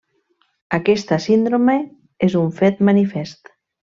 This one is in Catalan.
Aquesta síndrome és un fet manifest.